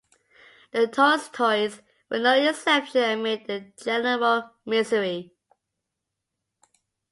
The Tolstoys were no exception amid the general misery.